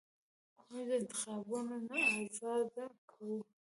موږ دا انتخابونه نه اندازه کوو